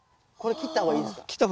切った方がいいですね。